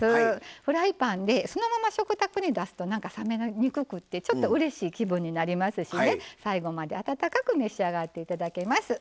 フライパンでそのまま食卓に出すとなんか冷めにくくてうれしい気分になりますし最後まで温かく召し上がっていただけます。